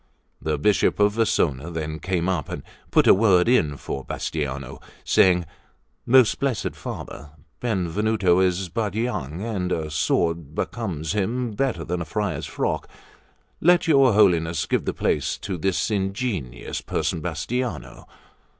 The Bishop of Vasona then came up, and put in a word for Bastiano, saying: "Most blessed Father, Benvenuto is but young; and a sword becomes him better than a friar's frock. Let your Holiness give the place to this ingenious person Bastiano.